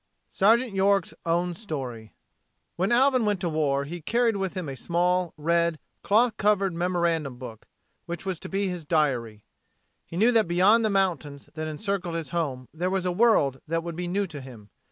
VI Sergeant York's Own Story When Alvin went to war he carried with him a small, red, cloth covered memorandum book, which was to be his diary. He knew that beyond the mountains that encircled his home there was a world that would be new to him.